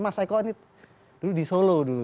mas eko ini dulu di solo dulu